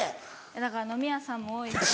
だから飲み屋さんも多いし。